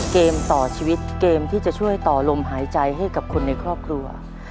เกมต่อชีวิตเกมที่จะช่วยต่อลมหายใจให้กับคนในครอบครัว